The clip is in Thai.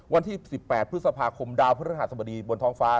วันที่๑๘พฤษภาคมดาวพฤหัสบดีบนท้องฟ้า